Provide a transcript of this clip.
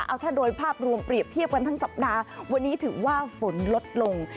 เอาถ้าโดยภาพรวมเปรียบเทียบกันทั้งสัปดาห์วันนี้ถือว่าฝนลดลง